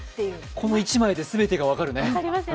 この１枚で全てが分かりますよね。